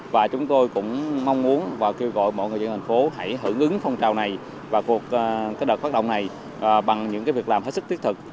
và chúng tôi cũng mong muốn và kêu gọi mọi người dân thành phố hãy hưởng ứng phong trào này vào cuộc đợt hoạt động này bằng những việc làm hết sức thiết thực